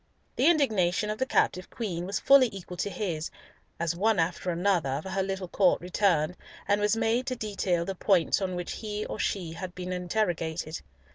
The indignation of the captive Queen was fully equal to his, as one after another of her little court returned and was made to detail the points on which he or she had been interrogated.